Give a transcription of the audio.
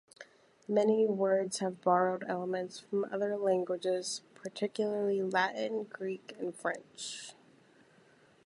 Many words have borrowed elements from other languages, particularly Latin, Greek, and French.